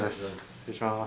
失礼します。